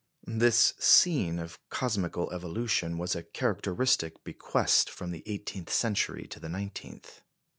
This scene of cosmical evolution was a characteristic bequest from the eighteenth century to the nineteenth.